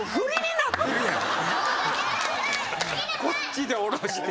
こっちで下ろして。